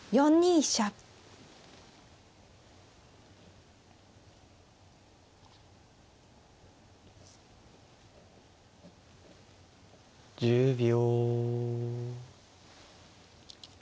１０秒。